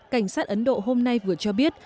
cảnh sát ấn độ hôm nay vừa cho biết